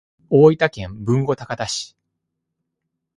大分県豊後高田市